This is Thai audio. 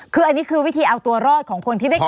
คืออันนี้คือวิธีเอาตัวรอดของคนที่ได้กิน